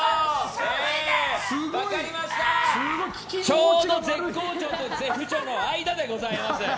ちょうど絶好調と絶不調の間でございます。